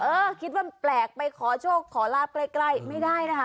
เออคิดว่ามันแปลกไปขอโชคขอลาบใกล้ไม่ได้นะคะ